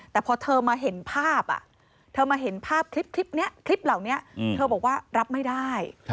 แต่พอเธอมาเห็นภาพคลิปเหล่านี้เธอบอกว่ารับไม่ได้